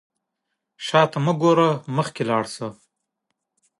مه شاته ګوره، مخکې لاړ شه.